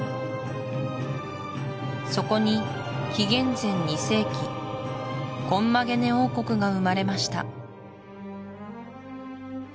そこに紀元前２世紀コンマゲネ王国が生まれました